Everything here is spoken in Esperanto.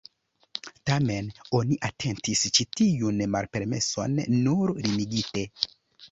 Tamen oni atentis ĉi tiun malpermeson nur limigite.